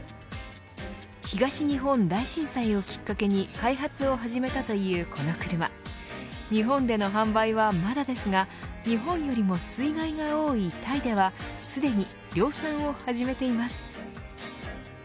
東日本大震災をきっかけに開発を始めたというこの車日本での販売はまだですが日本よりも水害が多いタイではすでに量産を始めています。